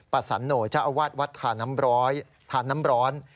ประสานโหนจ้าวาดวัดธานำร้อน